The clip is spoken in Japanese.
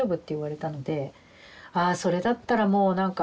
ああそれだったらもうなんか。